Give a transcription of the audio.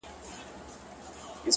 مینه نړۍ ښکلا کوي